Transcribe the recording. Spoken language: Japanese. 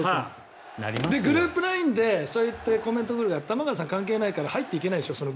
グループＬＩＮＥでそういったコメントが来るけど玉川さん関係ないからその話に入っていけないでしょ。